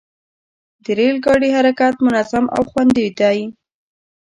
د ریل ګاډي حرکت منظم او خوندي دی.